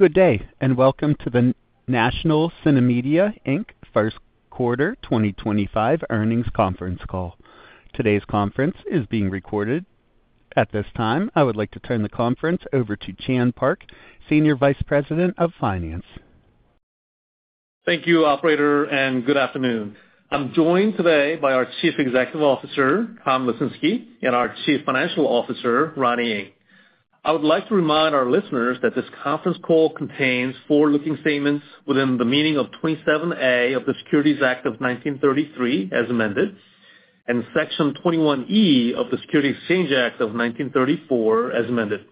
Good day, and welcome to the National CineMedia first quarter 2025 earnings conference call. Today's conference is being recorded. At this time, I would like to turn the conference over to Chan Park, Senior Vice President of Finance. Thank you, Operator, and good afternoon. I'm joined today by our Chief Executive Officer, Tom Lesinski, and our Chief Financial Officer, Ronnie Ng. I would like to remind our listeners that this conference call contains forward-looking statements within the meaning of 27A of the Securities Act of 1933, as amended, and Section 21E of the Securities Exchange Act of 1934, as amended.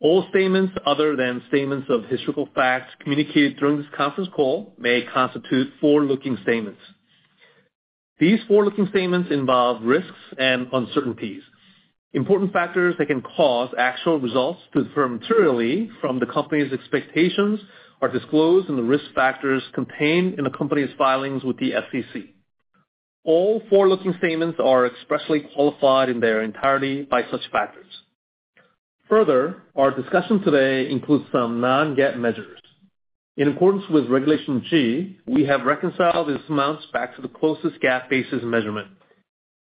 All statements other than statements of historical facts communicated during this conference call may constitute forward-looking statements. These forward-looking statements involve risks and uncertainties. Important factors that can cause actual results to differ materially from the company's expectations are disclosed in the risk factors contained in the company's filings with the SEC. All forward-looking statements are expressly qualified in their entirety by such factors. Further, our discussion today includes some non-GAAP measures. In accordance with Regulation G, we have reconciled these amounts back to the closest GAAP basis measurement.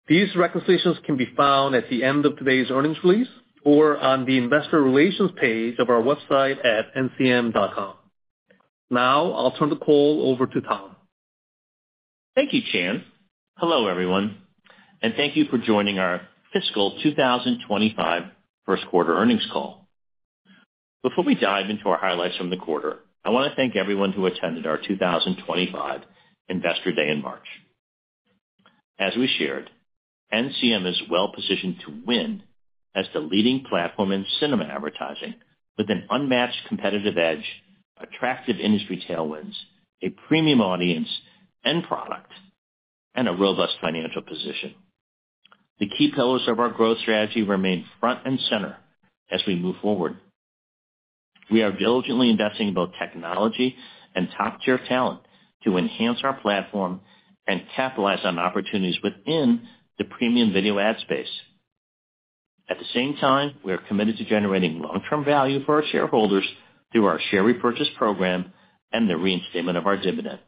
These reconciliations can be found at the end of today's earnings release or on the Investor Relations page of our website at ncm.com. Now, I'll turn the call over to Tom. Thank you, Chan. Hello, everyone, and thank you for joining our fiscal 2025 first quarter earnings call. Before we dive into our highlights from the quarter, I want to thank everyone who attended our 2025 Investor Day in March. As we shared, NCM is well positioned to win as the leading platform in cinema advertising with an unmatched competitive edge, attractive industry tailwinds, a premium audience and product, and a robust financial position. The key pillars of our growth strategy remain front and center as we move forward. We are diligently investing in both technology and top-tier talent to enhance our platform and capitalize on opportunities within the premium video ad space. At the same time, we are committed to generating long-term value for our shareholders through our share repurchase program and the reinstatement of our dividend.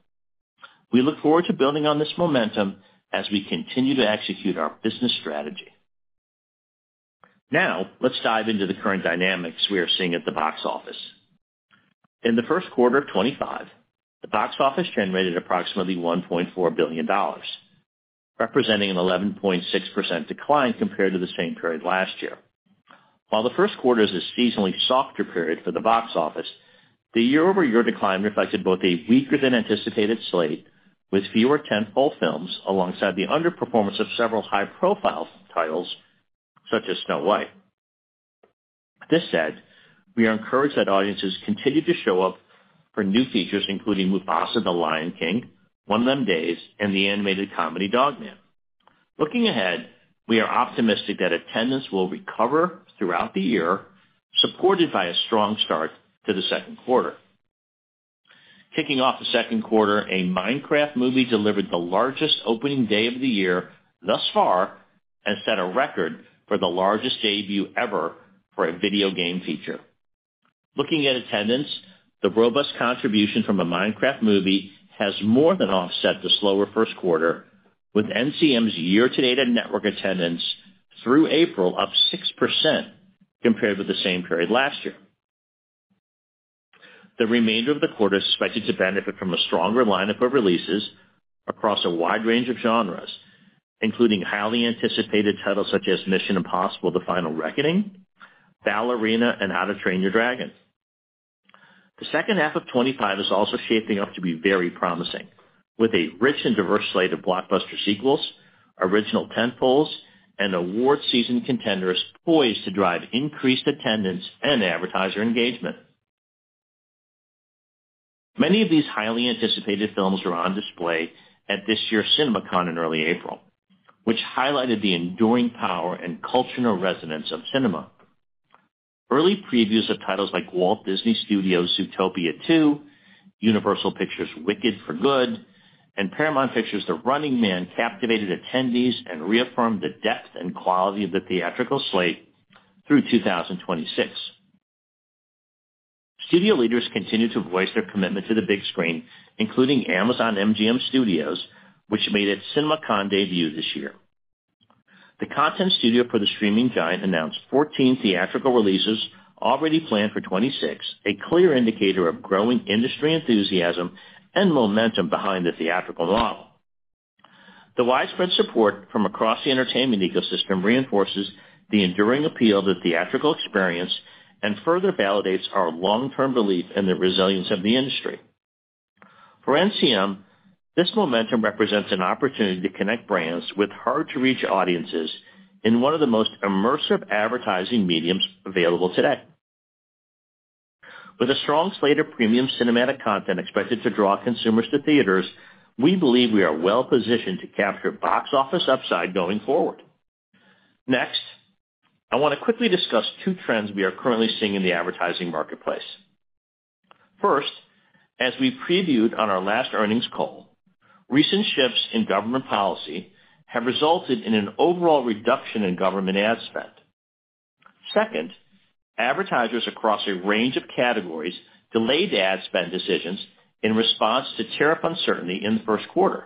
We look forward to building on this momentum as we continue to execute our business strategy. Now, let's dive into the current dynamics we are seeing at the box office. In the first quarter of 2025, the box office generated approximately $1.4 billion, representing an 11.6% decline compared to the same period last year. While the first quarter is a seasonally softer period for the box office, the year-over-year decline reflected both a weaker-than-anticipated slate with fewer tentpole films alongside the underperformance of several high-profile titles such as Snow White. This said, we are encouraged that audiences continue to show up for new features including Mufasa: The Lion King, One of Them Days, and the animated comedy Dog Man. Looking ahead, we are optimistic that attendance will recover throughout the year, supported by a strong start to the second quarter. Kicking off the second quarter, a Minecraft movie delivered the largest opening day of the year thus far and set a record for the largest debut ever for a video game feature. Looking at attendance, the robust contribution from a Minecraft movie has more than offset the slower first quarter, with NCM's year-to-date network attendance through April up 6% compared with the same period last year. The remainder of the quarter is expected to benefit from a stronger lineup of releases across a wide range of genres, including highly anticipated titles such as Mission: Impossible - The Final Reckoning, Ballerina, and How to Train Your Dragon. The second half of 2025 is also shaping up to be very promising, with a rich and diverse slate of blockbuster sequels, original tentpoles, and award-season contenders poised to drive increased attendance and advertiser engagement. Many of these highly anticipated films were on display at this year's CinemaCon in early April, which highlighted the enduring power and cultural resonance of cinema. Early previews of titles like Walt Disney Studios' Zootopia 2, Universal Pictures' Wicked for Good, and Paramount Pictures' The Running Man captivated attendees and reaffirmed the depth and quality of the theatrical slate through 2026. Studio leaders continue to voice their commitment to the big screen, including Amazon MGM Studios, which made its CinemaCon debut this year. The content studio for the streaming giant announced 14 theatrical releases already planned for 2026, a clear indicator of growing industry enthusiasm and momentum behind the theatrical model. The widespread support from across the entertainment ecosystem reinforces the enduring appeal of the theatrical experience and further validates our long-term belief in the resilience of the industry. For NCM, this momentum represents an opportunity to connect brands with hard-to-reach audiences in one of the most immersive advertising mediums available today. With a strong slate of premium cinematic content expected to draw consumers to theaters, we believe we are well positioned to capture box office upside going forward. Next, I want to quickly discuss two trends we are currently seeing in the advertising marketplace. First, as we previewed on our last earnings call, recent shifts in government policy have resulted in an overall reduction in government ad spend. Second, advertisers across a range of categories delayed ad spend decisions in response to tariff uncertainty in the first quarter.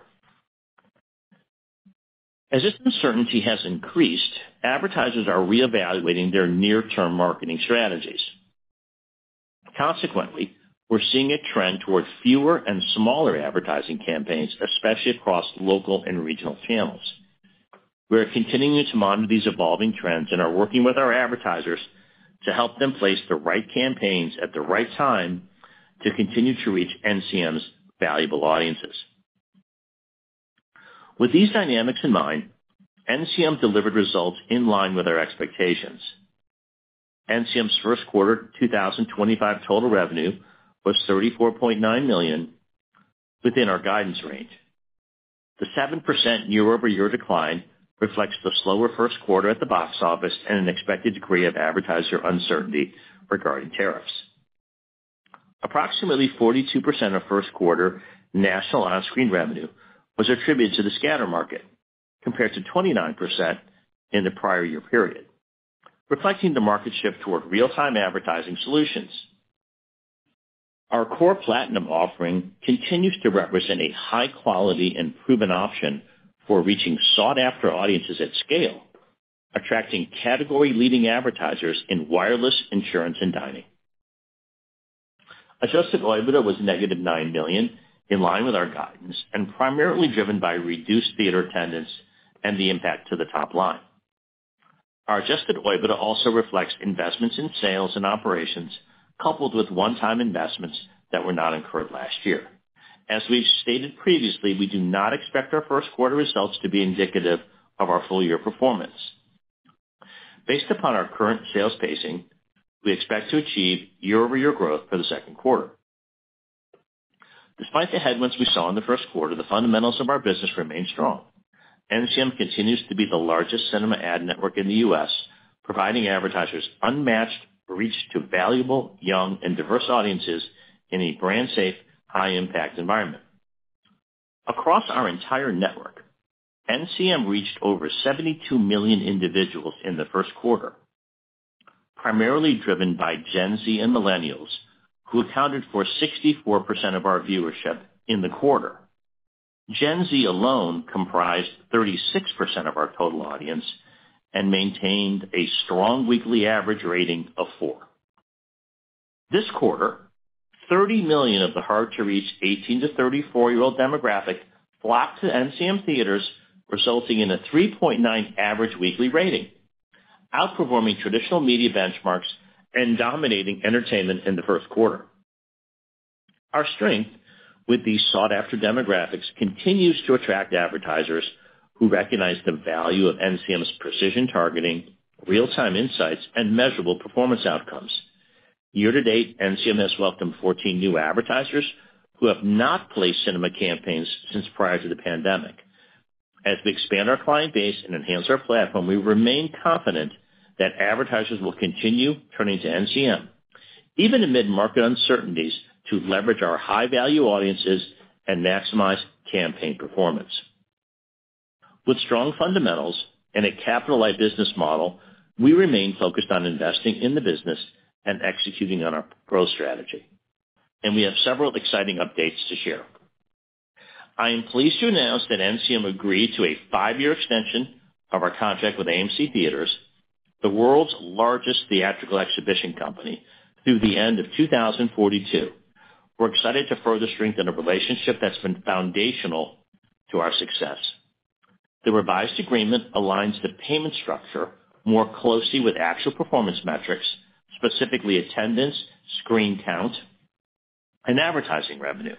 As this uncertainty has increased, advertisers are reevaluating their near-term marketing strategies. Consequently, we're seeing a trend toward fewer and smaller advertising campaigns, especially across local and regional channels. We are continuing to monitor these evolving trends and are working with our advertisers to help them place the right campaigns at the right time to continue to reach NCM's valuable audiences. With these dynamics in mind, NCM delivered results in line with our expectations. NCM's first quarter 2025 total revenue was $34.9 million within our guidance range. The 7% year-over-year decline reflects the slower first quarter at the box office and an expected degree of advertiser uncertainty regarding tariffs. Approximately 42% of first quarter national on-screen revenue was attributed to the scatter market, compared to 29% in the prior year period, reflecting the market shift toward real-time advertising solutions. Our core Platinum offering continues to represent a high-quality and proven option for reaching sought-after audiences at scale, attracting category-leading advertisers in wireless, insurance, and dining. Adjusted EBITDA was negative $9 million, in line with our guidance and primarily driven by reduced theater attendance and the impact to the top line. Our adjusted EBITDA also reflects investments in sales and operations coupled with one-time investments that were not incurred last year. As we've stated previously, we do not expect our first quarter results to be indicative of our full-year performance. Based upon our current sales pacing, we expect to achieve year-over-year growth for the second quarter. Despite the headwinds we saw in the first quarter, the fundamentals of our business remain strong. NCM continues to be the largest cinema ad network in the U.S., providing advertisers unmatched reach to valuable, young, and diverse audiences in a brand-safe, high-impact environment. Across our entire network, NCM reached over 72 million individuals in the first quarter, primarily driven by Gen Z and Millennials, who accounted for 64% of our viewership in the quarter. Gen Z alone comprised 36% of our total audience and maintained a strong weekly average rating of 4. This quarter, 30 million of the hard-to-reach 18 to 34-year-old demographic flocked to NCM theaters, resulting in a 3.9 average weekly rating, outperforming traditional media benchmarks and dominating entertainment in the first quarter. Our strength with these sought-after demographics continues to attract advertisers who recognize the value of NCM's precision targeting, real-time insights, and measurable performance outcomes. Year-to-date, NCM has welcomed 14 new advertisers who have not placed cinema campaigns since prior to the pandemic. As we expand our client base and enhance our platform, we remain confident that advertisers will continue turning to NCM, even amid market uncertainties, to leverage our high-value audiences and maximize campaign performance. With strong fundamentals and a capitalized business model, we remain focused on investing in the business and executing on our growth strategy, and we have several exciting updates to share. I am pleased to announce that NCM agreed to a five-year extension of our contract with AMC Theaters, the world's largest theatrical exhibition company, through the end of 2042. We're excited to further strengthen a relationship that's been foundational to our success. The revised agreement aligns the payment structure more closely with actual performance metrics, specifically attendance, screen count, and advertising revenue,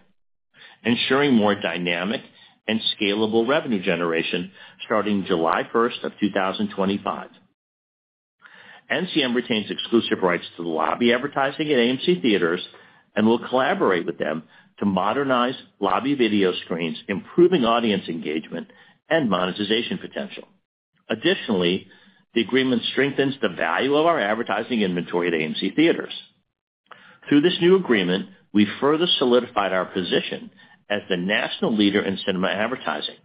ensuring more dynamic and scalable revenue generation starting July 1 of 2025. NCM retains exclusive rights to the lobby advertising at AMC Theaters and will collaborate with them to modernize lobby video screens, improving audience engagement and monetization potential. Additionally, the agreement strengthens the value of our advertising inventory at AMC Theaters. Through this new agreement, we further solidified our position as the national leader in cinema advertising.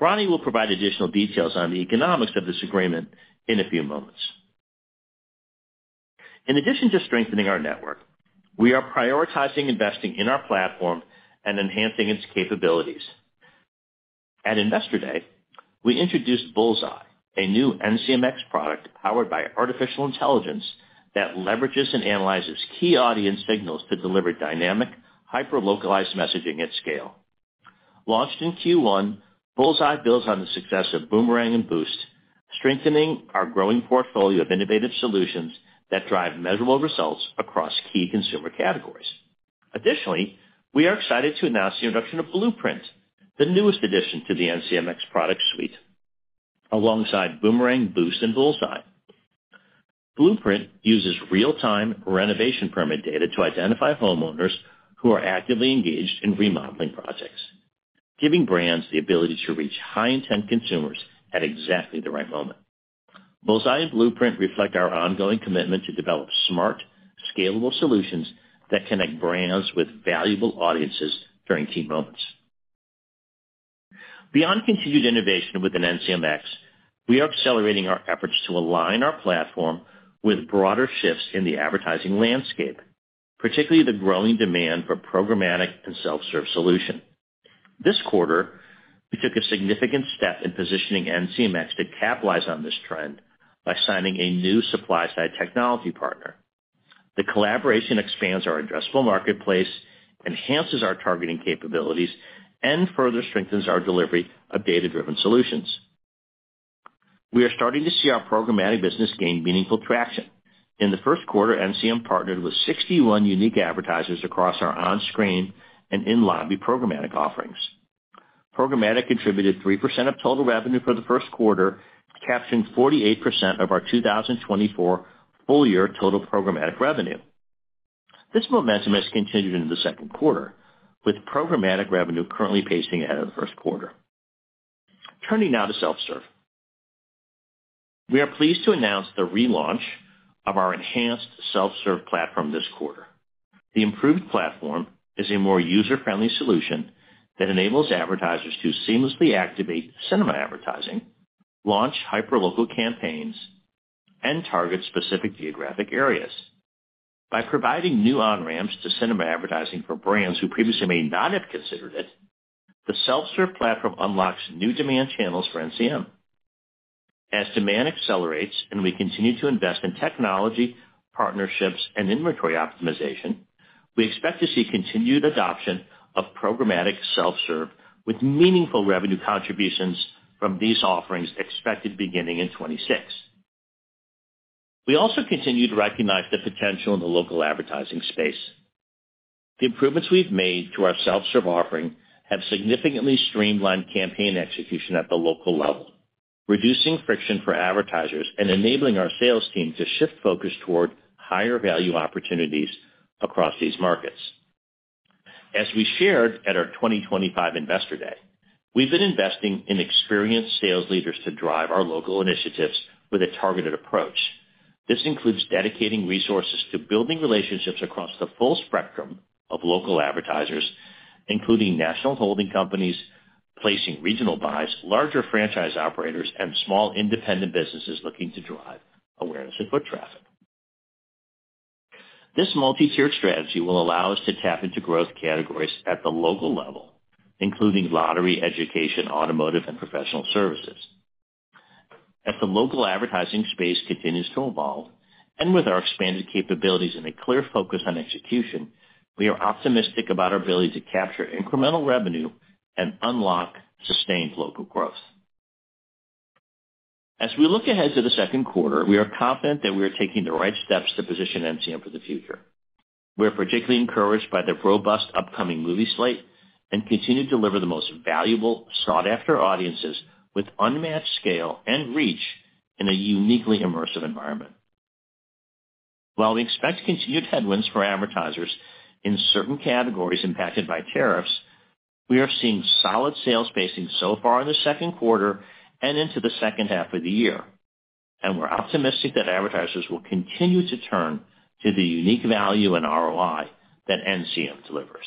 Ronnie will provide additional details on the economics of this agreement in a few moments. In addition to strengthening our network, we are prioritizing investing in our platform and enhancing its capabilities. At Investor Day, we introduced Bullseye, a new NCMX product powered by artificial intelligence that leverages and analyzes key audience signals to deliver dynamic, hyper-localized messaging at scale. Launched in Q1, Bullseye builds on the success of Boomerang and Boost, strengthening our growing portfolio of innovative solutions that drive measurable results across key consumer categories. Additionally, we are excited to announce the introduction of Blueprint, the newest addition to the NCMX product suite, alongside Boomerang, Boost, and Bullseye. Blueprint uses real-time renovation permit data to identify homeowners who are actively engaged in remodeling projects, giving brands the ability to reach high-intent consumers at exactly the right moment. Bullseye and Blueprint reflect our ongoing commitment to develop smart, scalable solutions that connect brands with valuable audiences during key moments. Beyond continued innovation within NCMX, we are accelerating our efforts to align our platform with broader shifts in the advertising landscape, particularly the growing demand for programmatic and self-serve solutions. This quarter, we took a significant step in positioning NCMX to capitalize on this trend by signing a new supply-side technology partner. The collaboration expands our addressable marketplace, enhances our targeting capabilities, and further strengthens our delivery of data-driven solutions. We are starting to see our programmatic business gain meaningful traction. In the first quarter, NCM partnered with 61 unique advertisers across our on-screen and in-lobby programmatic offerings. Programmatic contributed 3% of total revenue for the first quarter, capturing 48% of our 2024 full-year total programmatic revenue. This momentum has continued into the second quarter, with programmatic revenue currently pacing ahead of the first quarter. Turning now to self-serve, we are pleased to announce the relaunch of our enhanced self-serve platform this quarter. The improved platform is a more user-friendly solution that enables advertisers to seamlessly activate cinema advertising, launch hyper-local campaigns, and target specific geographic areas. By providing new on-ramps to cinema advertising for brands who previously may not have considered it, the self-serve platform unlocks new demand channels for NCM. As demand accelerates and we continue to invest in technology, partnerships, and inventory optimization, we expect to see continued adoption of programmatic self-serve with meaningful revenue contributions from these offerings expected beginning in 2026. We also continue to recognize the potential in the local advertising space. The improvements we've made to our self-serve offering have significantly streamlined campaign execution at the local level, reducing friction for advertisers and enabling our sales team to shift focus toward higher value opportunities across these markets. As we shared at our 2025 Investor Day, we've been investing in experienced sales leaders to drive our local initiatives with a targeted approach. This includes dedicating resources to building relationships across the full spectrum of local advertisers, including national holding companies, placing regional buys, larger franchise operators, and small independent businesses looking to drive awareness and foot traffic. This multi-tiered strategy will allow us to tap into growth categories at the local level, including lottery, education, automotive, and professional services. As the local advertising space continues to evolve and with our expanded capabilities and a clear focus on execution, we are optimistic about our ability to capture incremental revenue and unlock sustained local growth. As we look ahead to the second quarter, we are confident that we are taking the right steps to position NCM for the future. We are particularly encouraged by the robust upcoming movie slate and continue to deliver the most valuable, sought-after audiences with unmatched scale and reach in a uniquely immersive environment. While we expect continued headwinds for advertisers in certain categories impacted by tariffs, we are seeing solid sales pacing so far in the second quarter and into the second half of the year, and we're optimistic that advertisers will continue to turn to the unique value and ROI that NCM delivers.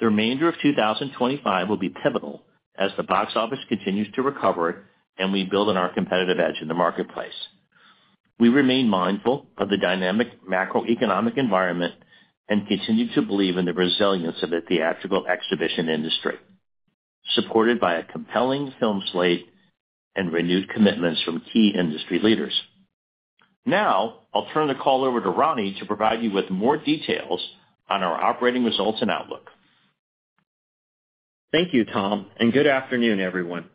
The remainder of 2025 will be pivotal as the box office continues to recover and we build on our competitive edge in the marketplace. We remain mindful of the dynamic macroeconomic environment and continue to believe in the resilience of the theatrical exhibition industry, supported by a compelling film slate and renewed commitments from key industry leaders. Now, I'll turn the call over to Ronnie to provide you with more details on our operating results and outlook. Thank you, Tom, and good afternoon, everyone.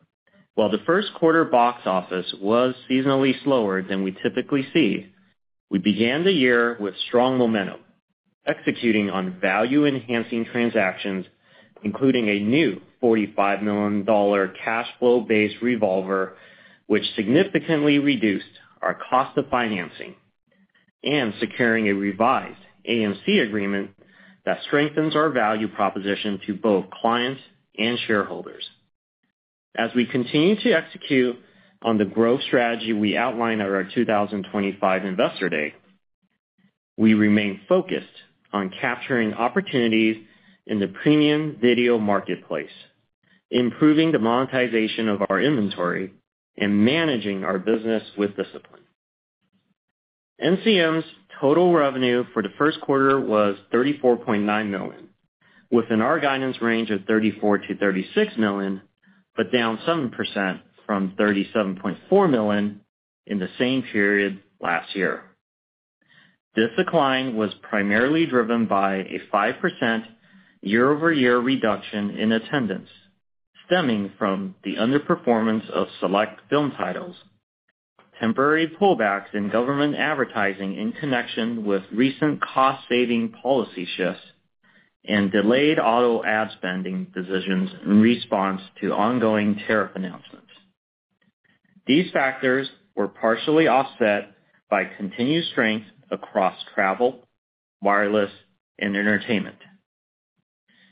While the first quarter box office was seasonally slower than we typically see, we began the year with strong momentum, executing on value-enhancing transactions, including a new $45 million cash flow-based revolver, which significantly reduced our cost of financing and securing a revised AMC agreement that strengthens our value proposition to both clients and shareholders. As we continue to execute on the growth strategy we outlined at our 2025 Investor Day, we remain focused on capturing opportunities in the premium video marketplace, improving the monetization of our inventory, and managing our business with discipline. NCM's total revenue for the first quarter was $34.9 million, within our guidance range of $34-$36 million, but down 7% from $37.4 million in the same period last year. This decline was primarily driven by a 5% year-over-year reduction in attendance, stemming from the underperformance of select film titles, temporary pullbacks in government advertising in connection with recent cost-saving policy shifts, and delayed auto ad spending decisions in response to ongoing tariff announcements. These factors were partially offset by continued strength across travel, wireless, and entertainment.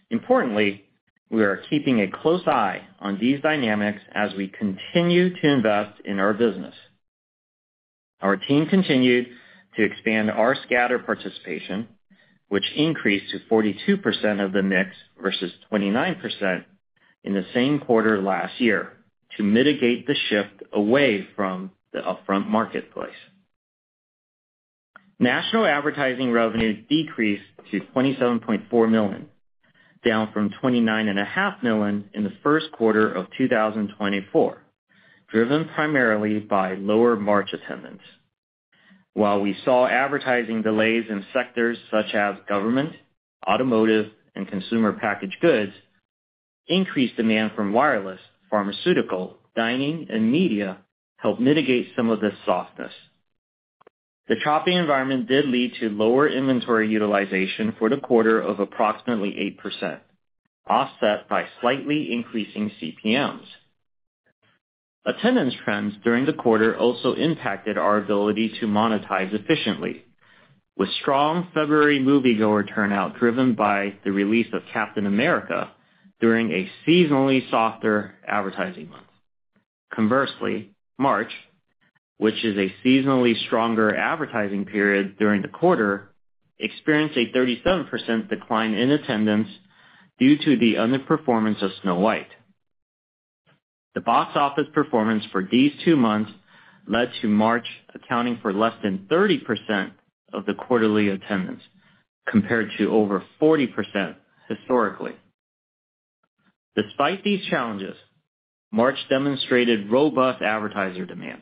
Importantly, we are keeping a close eye on these dynamics as we continue to invest in our business. Our team continued to expand our scatter participation, which increased to 42% of the mix versus 29% in the same quarter last year, to mitigate the shift away from the upfront marketplace. National advertising revenue decreased to $27.4 million, down from $29.5 million in the first quarter of 2024, driven primarily by lower March attendance. While we saw advertising delays in sectors such as government, automotive, and consumer packaged goods, increased demand from wireless, pharmaceutical, dining, and media helped mitigate some of this softness. The choppy environment did lead to lower inventory utilization for the quarter of approximately 8%, offset by slightly increasing CPMs. Attendance trends during the quarter also impacted our ability to monetize efficiently, with strong February moviegoer turnout driven by the release of Captain America during a seasonally softer advertising month. Conversely, March, which is a seasonally stronger advertising period during the quarter, experienced a 37% decline in attendance due to the underperformance of Snow White. The box office performance for these two months led to March accounting for less than 30% of the quarterly attendance, compared to over 40% historically. Despite these challenges, March demonstrated robust advertiser demand,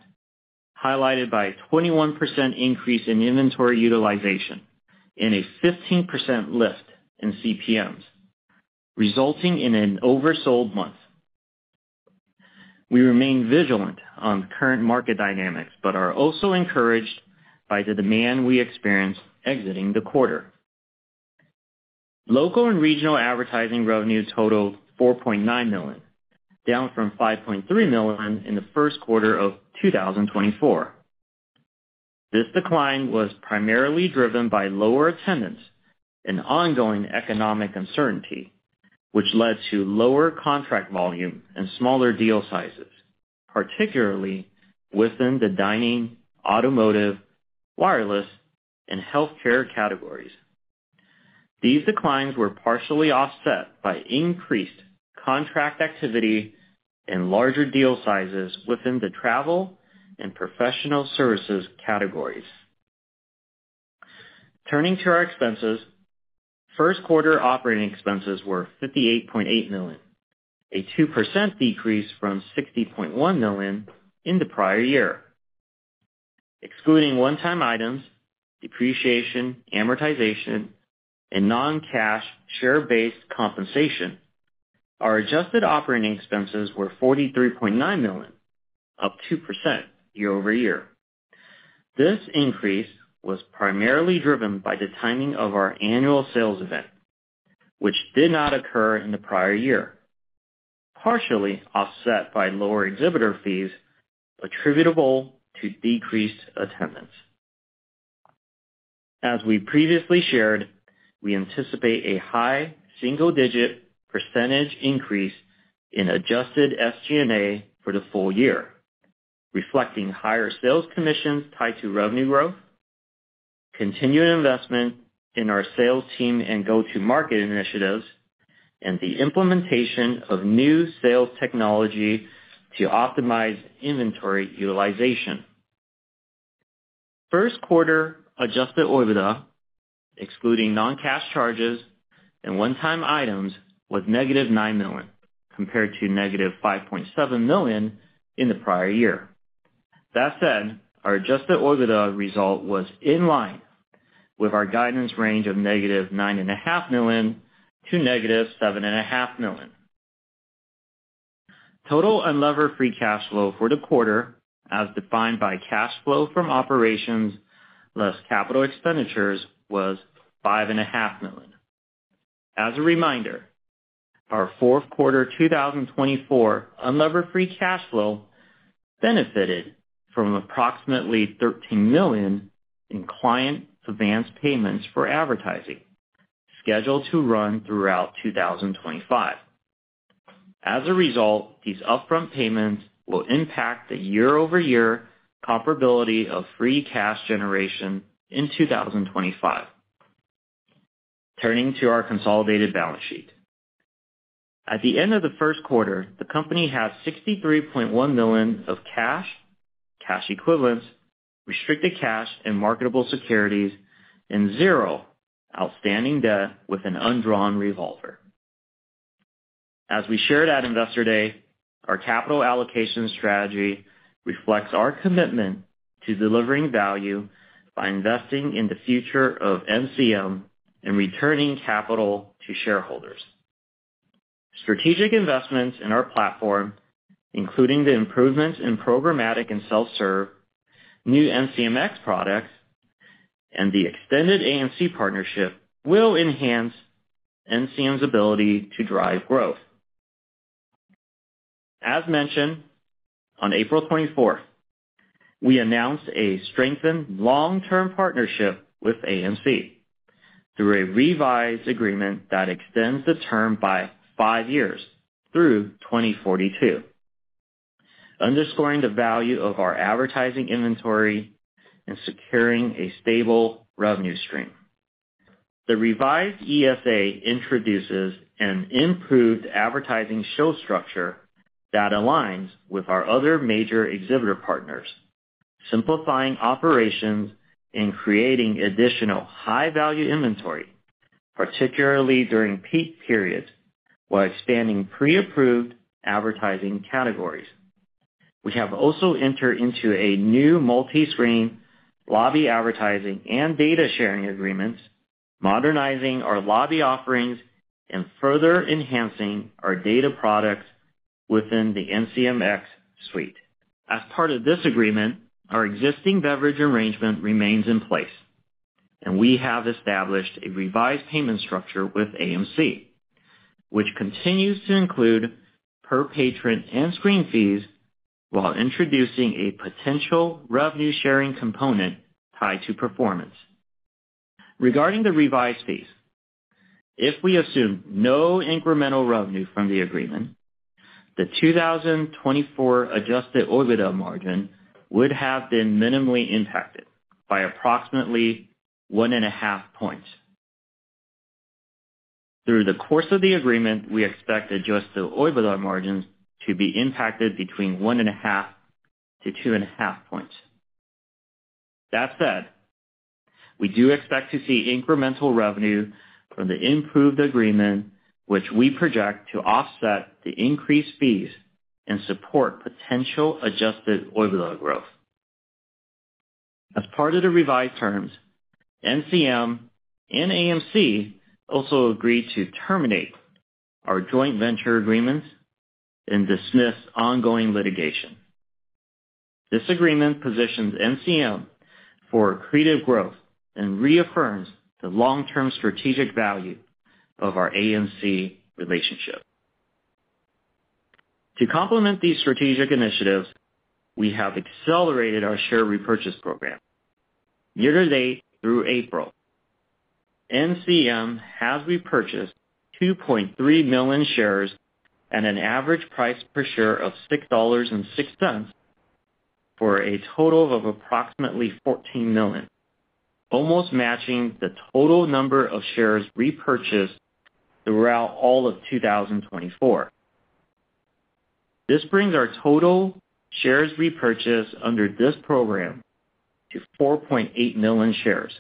highlighted by a 21% increase in inventory utilization and a 15% lift in CPMs, resulting in an oversold month. We remain vigilant on current market dynamics but are also encouraged by the demand we experienced exiting the quarter. Local and regional advertising revenue totaled $4.9 million, down from $5.3 million in the first quarter of 2024. This decline was primarily driven by lower attendance and ongoing economic uncertainty, which led to lower contract volume and smaller deal sizes, particularly within the dining, automotive, wireless, and healthcare categories. These declines were partially offset by increased contract activity and larger deal sizes within the travel and professional services categories. Turning to our expenses, first quarter operating expenses were $58.8 million, a 2% decrease from $60.1 million in the prior year. Excluding one-time items, depreciation, amortization, and non-cash share-based compensation, our adjusted operating expenses were $43.9 million, up 2% year-over-year. This increase was primarily driven by the timing of our annual sales event, which did not occur in the prior year, partially offset by lower exhibitor fees attributable to decreased attendance. As we previously shared, we anticipate a high single-digit % increase in adjusted SG&A for the full year, reflecting higher sales commissions tied to revenue growth, continued investment in our sales team and go-to-market initiatives, and the implementation of new sales technology to optimize inventory utilization. First quarter adjusted OIBDA, excluding non-cash charges and one-time items, was negative $9 million, compared to negative $5.7 million in the prior year. That said, our adjusted OIBDA result was in line with our guidance range of negative $9.5 million to negative $7.5 million. Total unlevered free cash flow for the quarter, as defined by cash flow from operations less capital expenditures, was $5.5 million. As a reminder, our fourth quarter 2024 unlevered free cash flow benefited from approximately $13 million in client advance payments for advertising scheduled to run throughout 2025. As a result, these upfront payments will impact the year-over-year comparability of free cash generation in 2025. Turning to our consolidated balance sheet, at the end of the first quarter, the company has $63.1 million of cash, cash equivalents, restricted cash, and marketable securities, and zero outstanding debt with an undrawn revolver. As we shared at Investor Day, our capital allocation strategy reflects our commitment to delivering value by investing in the future of NCM and returning capital to shareholders. Strategic investments in our platform, including the improvements in programmatic and self-serve, new NCMX products, and the extended AMC partnership, will enhance NCM's ability to drive growth. As mentioned, on April 24, we announced a strengthened long-term partnership with AMC through a revised agreement that extends the term by five years through 2042, underscoring the value of our advertising inventory and securing a stable revenue stream. The revised ESA introduces an improved advertising show structure that aligns with our other major exhibitor partners, simplifying operations and creating additional high-value inventory, particularly during peak periods, while expanding pre-approved advertising categories. We have also entered into new multi-screen lobby advertising and data sharing agreements, modernizing our lobby offerings and further enhancing our data products within the NCMX suite. As part of this agreement, our existing beverage arrangement remains in place, and we have established a revised payment structure with AMC, which continues to include per-patron and screen fees while introducing a potential revenue-sharing component tied to performance. Regarding the revised fees, if we assume no incremental revenue from the agreement, the 2024 adjusted OIBDA margin would have been minimally impacted by approximately 1.5 percentage points. Through the course of the agreement, we expect adjusted OIBDA margins to be impacted between 1.5-2.5 percentage points. That said, we do expect to see incremental revenue from the improved agreement, which we project to offset the increased fees and support potential adjusted OIBDA growth. As part of the revised terms, NCM and AMC also agreed to terminate our joint venture agreements and dismiss ongoing litigation. This agreement positions NCM for creative growth and reaffirms the long-term strategic value of our AMC relationship. To complement these strategic initiatives, we have accelerated our share repurchase program. Year-to-date through April, NCM has repurchased 2.3 million shares at an average price per share of $6.06 for a total of approximately $14 million, almost matching the total number of shares repurchased throughout all of 2024. This brings our total shares repurchased under this program to 4.8 million shares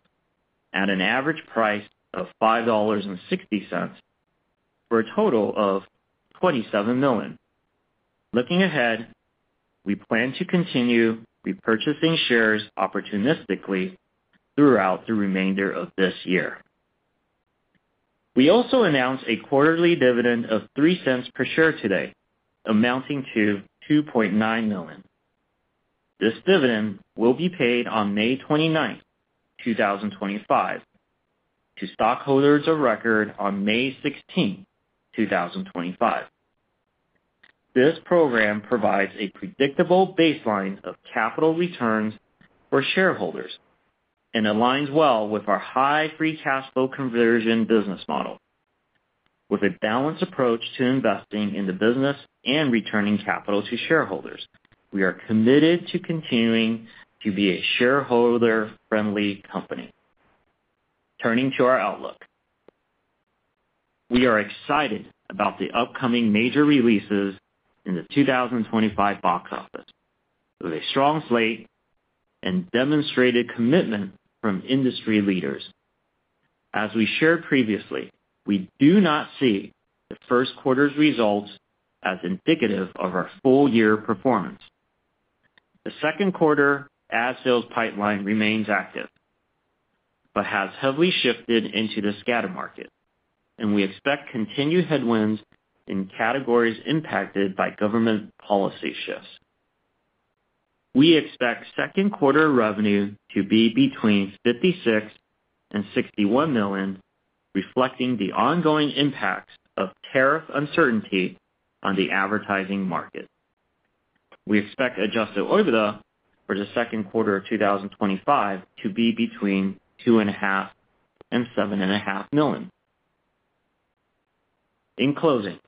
at an average price of $5.60 for a total of $27 million. Looking ahead, we plan to continue repurchasing shares opportunistically throughout the remainder of this year. We also announced a quarterly dividend of $0.03 per share today, amounting to $2.9 million. This dividend will be paid on May 29, 2025, to stockholders of record on May 16, 2025. This program provides a predictable baseline of capital returns for shareholders and aligns well with our high free cash flow conversion business model. With a balanced approach to investing in the business and returning capital to shareholders, we are committed to continuing to be a shareholder-friendly company. Turning to our outlook, we are excited about the upcoming major releases in the 2025 box office with a strong slate and demonstrated commitment from industry leaders. As we shared previously, we do not see the first quarter's results as indicative of our full-year performance. The second quarter ad sales pipeline remains active but has heavily shifted into the scatter market, and we expect continued headwinds in categories impacted by government policy shifts. We expect second quarter revenue to be between $56-$61 million, reflecting the ongoing impacts of tariff uncertainty on the advertising market. We expect adjusted OIBDA for the second quarter of 2025 to be between $2.5-$7.5 million. In closing,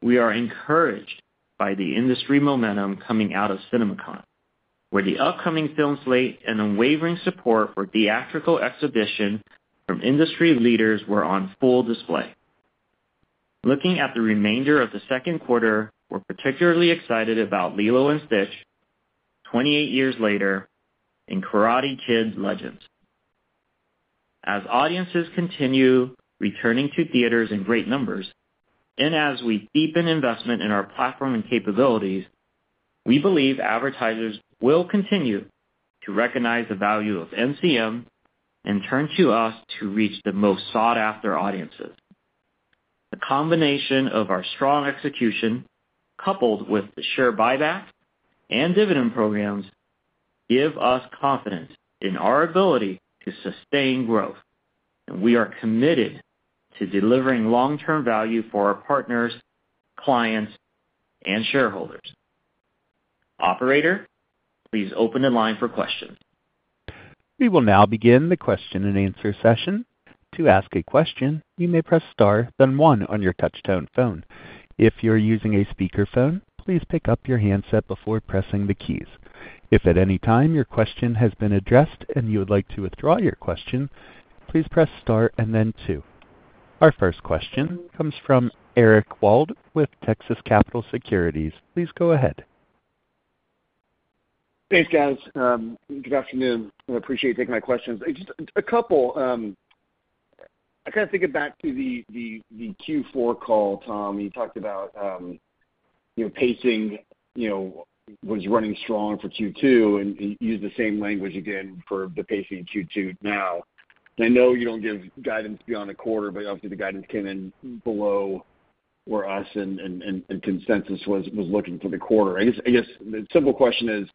we are encouraged by the industry momentum coming out of CinemaCon, where the upcoming film slate and unwavering support for theatrical exhibition from industry leaders were on full display. Looking at the remainder of the second quarter, we're particularly excited about Lilo & Stitch 28 years later and Karate Kid Legends. As audiences continue returning to theaters in great numbers and as we deepen investment in our platform and capabilities, we believe advertisers will continue to recognize the value of NCM and turn to us to reach the most sought-after audiences. The combination of our strong execution, coupled with the share buyback and dividend programs, gives us confidence in our ability to sustain growth, and we are committed to delivering long-term value for our partners, clients, and shareholders. Operator, please open the line for questions. We will now begin the question-and-answer session. To ask a question, you may press Star, then 1 on your touch-tone phone. If you're using a speakerphone, please pick up your handset before pressing the keys. If at any time your question has been addressed and you would like to withdraw your question, please press Star and then 2. Our first question comes from Eric Wold with Texas Capital Securities. Please go ahead. Thanks, guys. Good afternoon. I appreciate you taking my questions. Just a couple. I kind of think it back to the Q4 call, Tom. You talked about pacing was running strong for Q2, and you used the same language again for the pacing in Q2 now. I know you don't give guidance beyond a quarter, but obviously the guidance came in below where us and consensus was looking for the quarter. I guess the simple question is,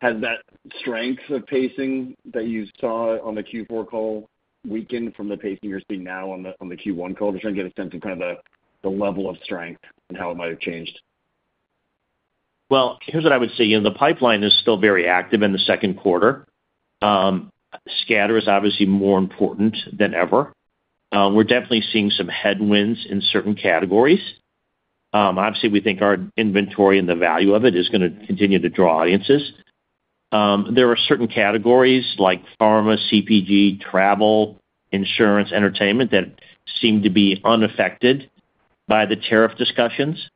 has that strength of pacing that you saw on the Q4 call weakened from the pacing you're seeing now on the Q1 call? Just trying to get a sense of kind of the level of strength and how it might have changed. Here's what I would say. The pipeline is still very active in the second quarter. Scatter is obviously more important than ever. We're definitely seeing some headwinds in certain categories. Obviously, we think our inventory and the value of it is going to continue to draw audiences. There are certain categories like pharma, CPG, travel, insurance, entertainment that seem to be unaffected by the tariff discussions.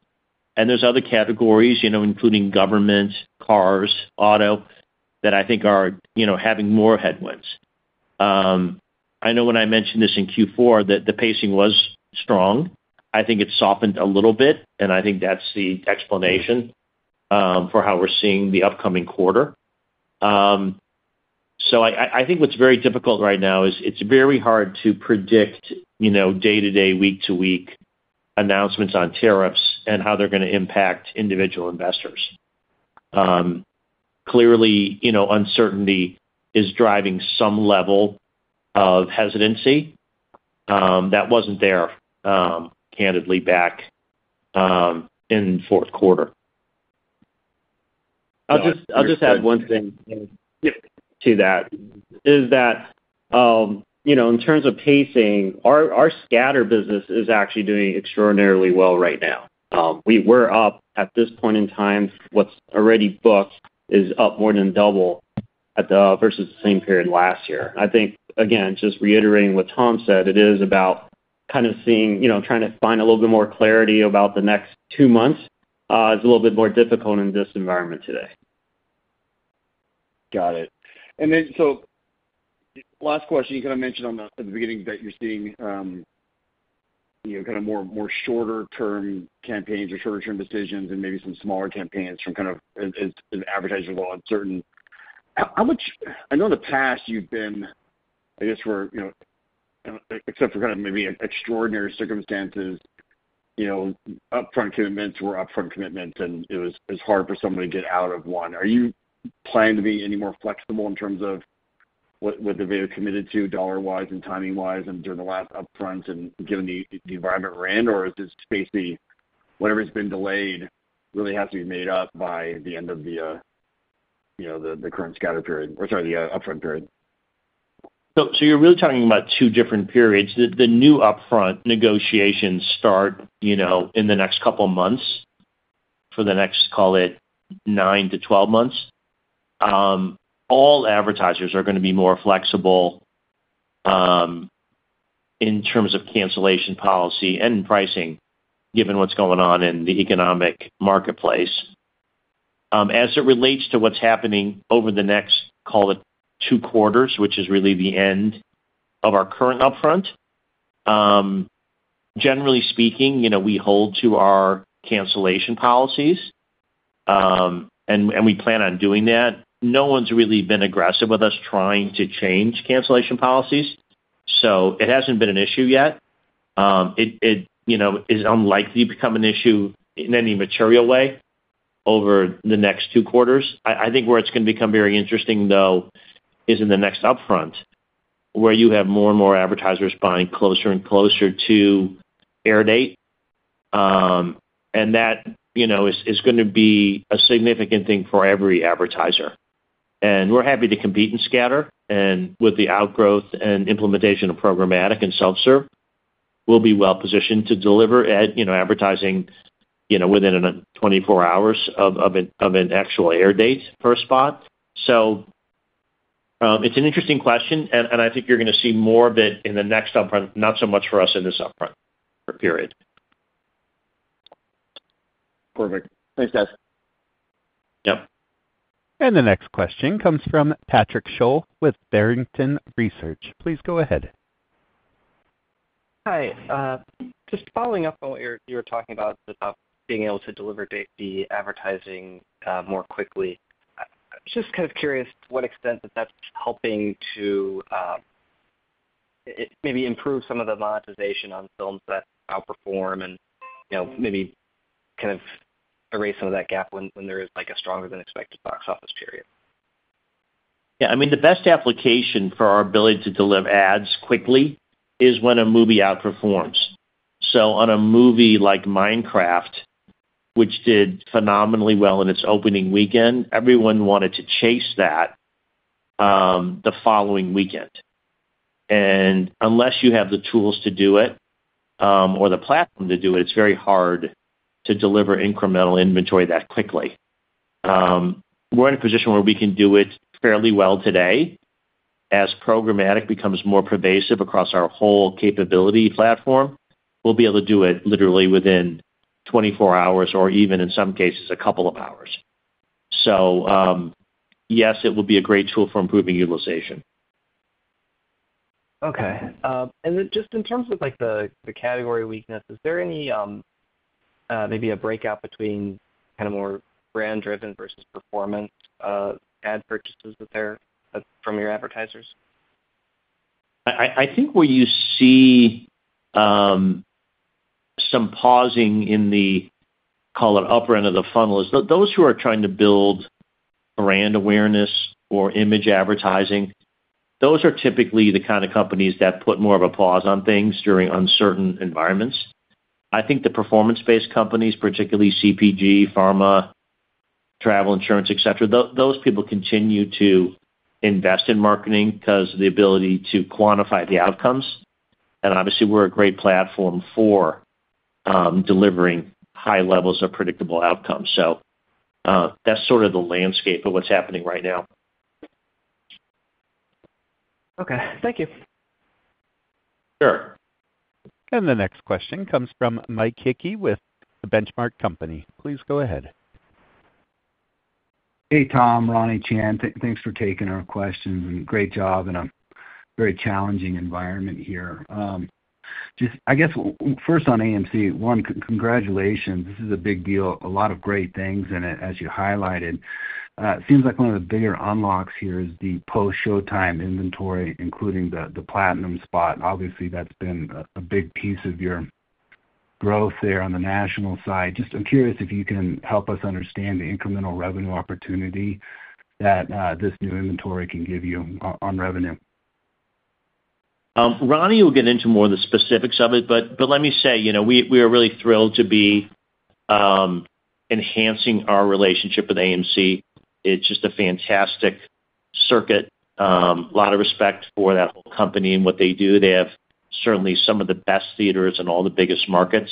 And there's other categories, including government, cars, auto, that I think are having more headwinds. I know when I mentioned this in Q4 that the pacing was strong. I think it's softened a little bit, and I think that's the explanation for how we're seeing the upcoming quarter. I think what's very difficult right now is it's very hard to predict day-to-day, week-to-week announcements on tariffs and how they're going to impact individual investors. Clearly, uncertainty is driving some level of hesitancy that wasn't there, candidly, back in fourth quarter. I'll just add one thing to that is that in terms of pacing, our scatter business is actually doing extraordinarily well right now. We were up at this point in time. What's already booked is up more than double versus the same period last year. I think, again, just reiterating what Tom said, it is about kind of seeing, trying to find a little bit more clarity about the next two months is a little bit more difficult in this environment today. Got it. Last question, you kind of mentioned at the beginning that you're seeing kind of more shorter-term campaigns or shorter-term decisions and maybe some smaller campaigns from kind of advertiser law and certain I know in the past you've been, I guess, except for kind of maybe extraordinary circumstances, upfront commitments were upfront commitments, and it was hard for someone to get out of one. Are you planning to be any more flexible in terms of what the VA committed to dollar-wise and timing-wise and during the last upfront and given the environment we're in, or is this basically whatever has been delayed really has to be made up by the end of the current scatter period or sorry, the upfront period? You're really talking about two different periods. The new upfront negotiations start in the next couple of months for the next, call it, 9 to 12 months. All advertisers are going to be more flexible in terms of cancellation policy and pricing, given what's going on in the economic marketplace. As it relates to what's happening over the next, call it, two quarters, which is really the end of our current upfront, generally speaking, we hold to our cancellation policies, and we plan on doing that. No one's really been aggressive with us trying to change cancellation policies, so it hasn't been an issue yet. It is unlikely to become an issue in any material way over the next two quarters. I think where it's going to become very interesting, though, is in the next upfront where you have more and more advertisers buying closer and closer to air date, and that is going to be a significant thing for every advertiser. We're happy to compete in scatter, and with the outgrowth and implementation of programmatic and self-serve, we'll be well-positioned to deliver advertising within 24 hours of an actual air date per spot. It's an interesting question, and I think you're going to see more of it in the next upfront, not so much for us in this upfront period. Perfect. Thanks, guys. Yep. The next question comes from Patrick Scholl with Barrington Research. Please go ahead. Hi. Just following up on what you were talking about about being able to deliver the advertising more quickly, I'm just kind of curious to what extent that that's helping to maybe improve some of the monetization on films that outperform and maybe kind of erase some of that gap when there is a stronger-than-expected box office period. Yeah. I mean, the best application for our ability to deliver ads quickly is when a movie outperforms. So on a movie like Minecraft, which did phenomenally well in its opening weekend, everyone wanted to chase that the following weekend. And unless you have the tools to do it or the platform to do it, it's very hard to deliver incremental inventory that quickly. We're in a position where we can do it fairly well today. As programmatic becomes more pervasive across our whole capability platform, we'll be able to do it literally within 24 hours or even, in some cases, a couple of hours. Yes, it will be a great tool for improving utilization. Okay. In terms of the category weakness, is there maybe a breakout between kind of more brand-driven versus performance ad purchases from your advertisers? I think where you see some pausing in the, call it, upper end of the funnel is those who are trying to build brand awareness or image advertising. Those are typically the kind of companies that put more of a pause on things during uncertain environments. I think the performance-based companies, particularly CPG, pharma, travel, insurance, etc., those people continue to invest in marketing because of the ability to quantify the outcomes. Obviously, we're a great platform for delivering high levels of predictable outcomes. That's sort of the landscape of what's happening right now. Okay. Thank you. Sure. The next question comes from Mike Hickey with The Benchmark Company. Please go ahead. Hey, Tom, Ronnie, Chan. Thanks for taking our questions. Great job in a very challenging environment here. I guess first on AMC, one, congratulations. This is a big deal. A lot of great things in it, as you highlighted. It seems like one of the bigger unlocks here is the post-showtime inventory, including the Platinum spot. Obviously, that's been a big piece of your growth there on the national side. I'm curious if you can help us understand the incremental revenue opportunity that this new inventory can give you on revenue. Ronnie will get into more of the specifics of it, but let me say we are really thrilled to be enhancing our relationship with AMC. It's just a fantastic circuit. A lot of respect for that whole company and what they do. They have certainly some of the best theaters in all the biggest markets,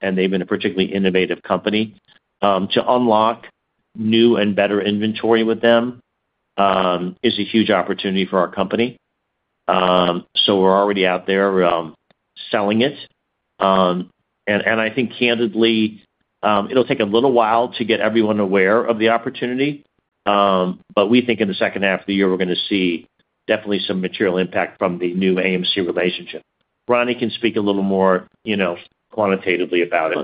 and they've been a particularly innovative company. To unlock new and better inventory with them is a huge opportunity for our company. We are already out there selling it. I think, candidly, it'll take a little while to get everyone aware of the opportunity, but we think in the second half of the year, we're going to see definitely some material impact from the new AMC relationship. Ronnie can speak a little more quantitatively about it.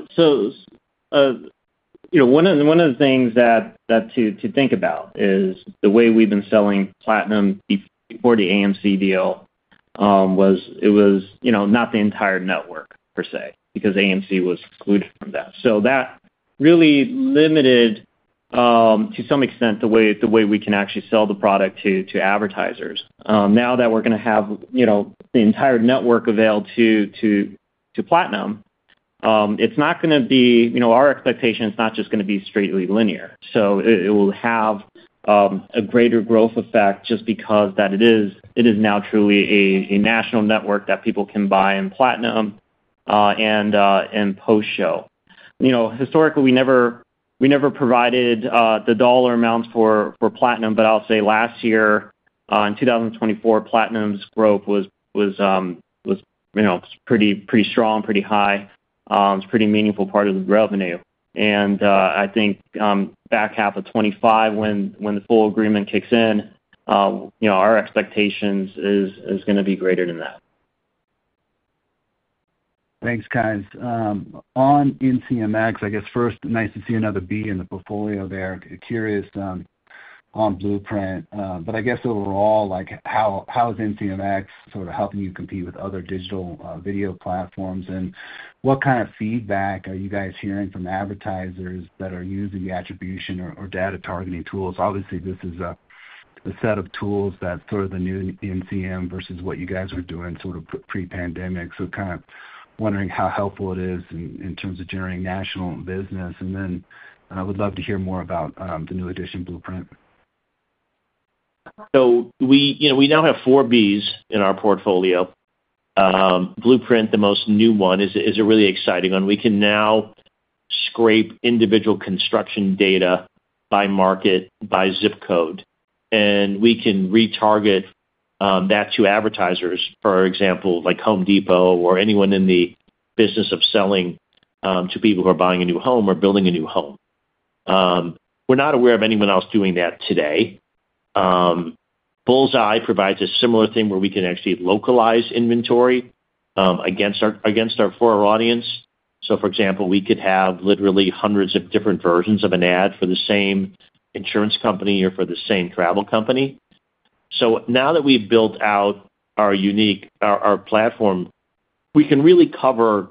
One of the things to think about is the way we've been selling Platinum before the AMC deal was it was not the entire network per se because AMC was excluded from that. That really limited, to some extent, the way we can actually sell the product to advertisers. Now that we're going to have the entire network avail to Platinum, it's not going to be our expectation is not just going to be strictly linear. It will have a greater growth effect just because it is now truly a national network that people can buy in Platinum and post-show. Historically, we never provided the dollar amounts for Platinum, but I'll say last year in 2024, Platinum's growth was pretty strong, pretty high. It's a pretty meaningful part of the revenue. I think back half of 2025, when the full agreement kicks in, our expectation is going to be greater than that. Thanks, guys. On NCMX, I guess first, nice to see another B in the portfolio there. Curious on Blueprint. I guess overall, how is NCMX sort of helping you compete with other digital video platforms? What kind of feedback are you guys hearing from advertisers that are using the attribution or data targeting tools? Obviously, this is a set of tools that's sort of the new NCM versus what you guys were doing sort of pre-pandemic. Kind of wondering how helpful it is in terms of generating national business. I would love to hear more about the new edition Blueprint. We now have four Bs in our portfolio. Blueprint, the most new one, is a really exciting one. We can now scrape individual construction data by market, by zip code. We can retarget that to advertisers, for example, like Home Depot or anyone in the business of selling to people who are buying a new home or building a new home. We're not aware of anyone else doing that today. Bullseye provides a similar thing where we can actually localize inventory against our foreign audience. For example, we could have literally hundreds of different versions of an ad for the same insurance company or for the same travel company. Now that we've built out our platform, we can really cover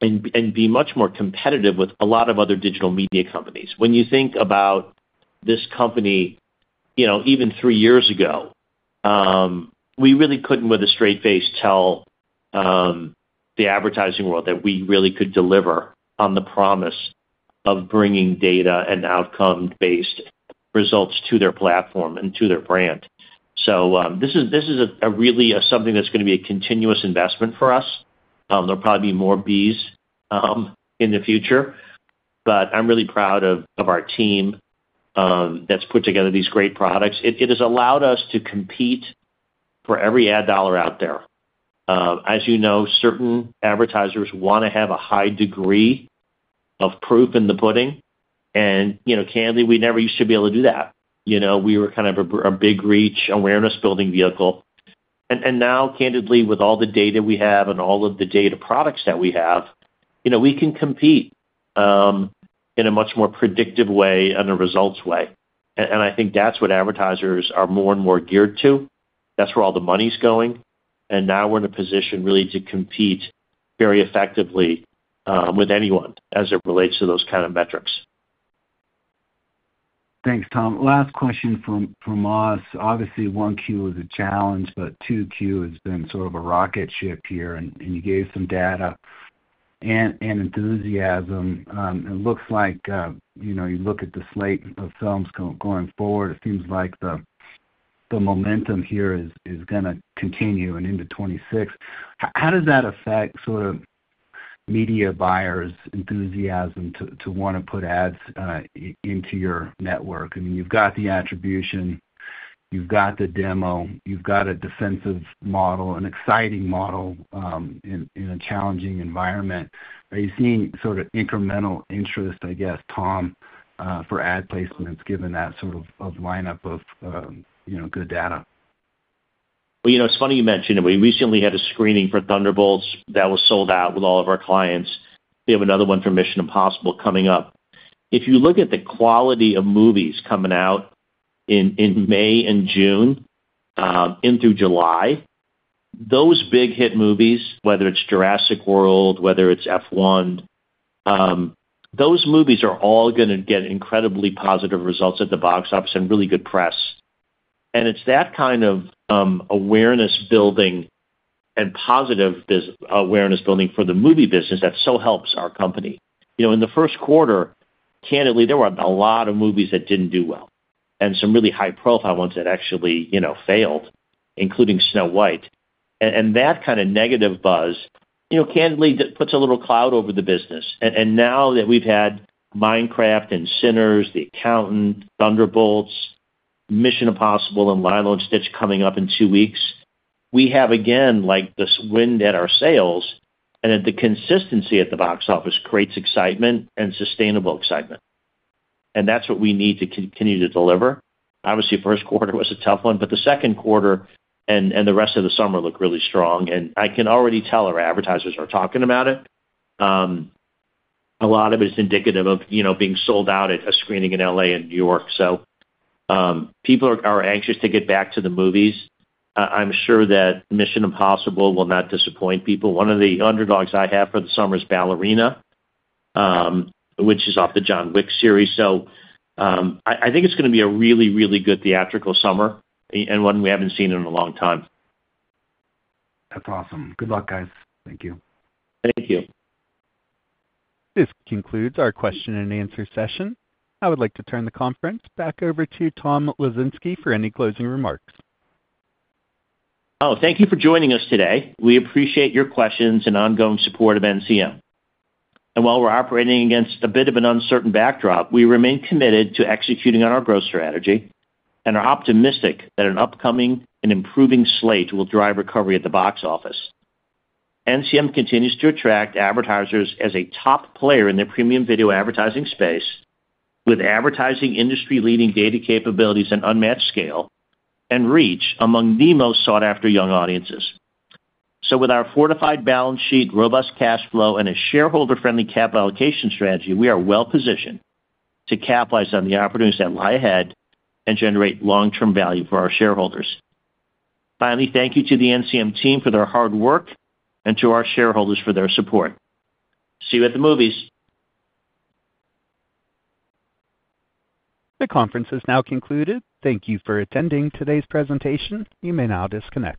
and be much more competitive with a lot of other digital media companies. When you think about this company, even three years ago, we really could not, with a straight face, tell the advertising world that we really could deliver on the promise of bringing data and outcome-based results to their platform and to their brand. This is really something that is going to be a continuous investment for us. There will probably be more Bs in the future, but I am really proud of our team that has put together these great products. It has allowed us to compete for every ad dollar out there. As you know, certain advertisers want to have a high degree of proof in the pudding. Candidly, we never used to be able to do that. We were kind of a big reach awareness-building vehicle. Now, candidly, with all the data we have and all of the data products that we have, we can compete in a much more predictive way and a results way. I think that's what advertisers are more and more geared to. That's where all the money's going. Now we're in a position really to compete very effectively with anyone as it relates to those kind of metrics. Thanks, Tom. Last question from us. Obviously, 1Q is a challenge, but 2Q has been sort of a rocket ship here, and you gave some data and enthusiasm. It looks like you look at the slate of films going forward, it seems like the momentum here is going to continue and into 2026. How does that affect sort of media buyers' enthusiasm to want to put ads into your network? I mean, you've got the attribution, you've got the demo, you've got a defensive model, an exciting model in a challenging environment. Are you seeing sort of incremental interest, I guess, Tom, for ad placements given that sort of lineup of good data? It is funny you mentioned it. We recently had a screening for Thunderbolts that was sold out with all of our clients. We have another one for Mission: Impossible coming up. If you look at the quality of movies coming out in May and June into July, those big hit movies, whether it's Jurassic World, whether it's F1, those movies are all going to get incredibly positive results at the box office and really good press. It is that kind of awareness-building and positive awareness-building for the movie business that so helps our company. In the first quarter, candidly, there were a lot of movies that did not do well and some really high-profile ones that actually failed, including Snow White. That kind of negative buzz, candidly, puts a little cloud over the business. Now that we have had Minecraft and Singers, The Accountant, Thunderbolts, Mission Impossible, and Lilo & Stitch coming up in two weeks, we have, again, this wind at our sails, and the consistency at the box office creates excitement and sustainable excitement. That is what we need to continue to deliver. Obviously, first quarter was a tough one, but the second quarter and the rest of the summer look really strong. I can already tell our advertisers are talking about it. A lot of it is indicative of being sold out at a screening in Los Angeles and New York. People are anxious to get back to the movies. I'm sure that Mission Impossible will not disappoint people. One of the underdogs I have for the summer is Ballerina, which is off the John Wick series. I think it's going to be a really, really good theatrical summer and one we haven't seen in a long time. That's awesome. Good luck, guys. Thank you. Thank you. This concludes our question and answer session. I would like to turn the conference back over to Tom Lesinski for any closing remarks. Thank you for joining us today. We appreciate your questions and ongoing support of NCM. While we're operating against a bit of an uncertain backdrop, we remain committed to executing on our growth strategy and are optimistic that an upcoming and improving slate will drive recovery at the box office. NCM continues to attract advertisers as a top player in the premium video advertising space with advertising industry-leading data capabilities and unmatched scale and reach among the most sought-after young audiences. With our fortified balance sheet, robust cash flow, and a shareholder-friendly capital allocation strategy, we are well-positioned to capitalize on the opportunities that lie ahead and generate long-term value for our shareholders. Finally, thank you to the NCM team for their hard work and to our shareholders for their support. See you at the movies. The conference has now concluded. Thank you for attending today's presentation. You may now disconnect.